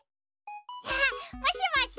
あっもしもし？